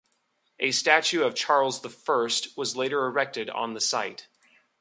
A statue of Charles the First was later erected on the site.